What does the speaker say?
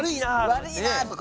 悪いなぁとか。